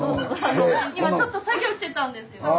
・今ちょっと作業してたんですよ。